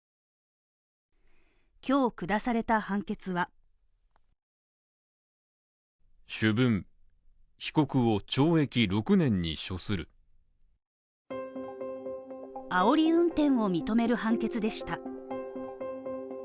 今日下された判決はあおり運転を認める判決でした。